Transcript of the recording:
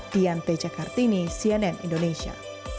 dian pejakartini cnn indonesia